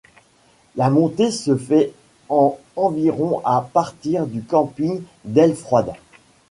La montée se fait en environ à partir du camping d'Ailefroide.